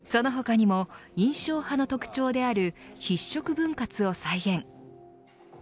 その他にも印象派の特徴である筆触分割を再現。